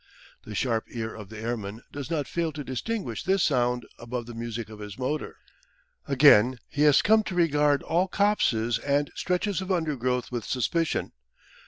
The sharp ear of the airman does not fail to distinguish this sound above the music of his motor. Again, he has come to regard all copses and stretches of undergrowth with suspicion.